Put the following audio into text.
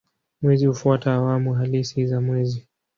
Mwezi hufuata awamu halisi za mwezi.